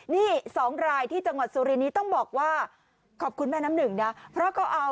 นี่๒ลายที่จังหวัดซุรินนี้ต้องบอกว่าขอบคุณแม่น้ำหนึ่งนะ